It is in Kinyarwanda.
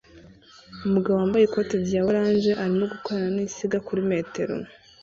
Umugabo wambaye ikoti rya orange arimo gukorana ninsinga kuri metero